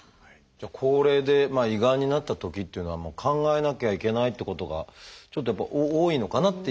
高齢で胃がんになったときっていうのは考えなきゃいけないってことがちょっとやっぱり多いのかなっていう。